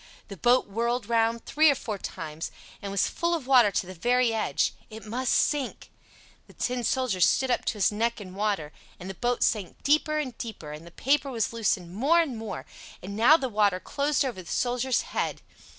The boat whirled round three or four times, and was full of water to the very edge—it must sink. The Tin Soldier stood up to his neck in water, and the boat sank deeper and deeper, and the paper was loosened more and more, and now the water closed over the Soldier's head.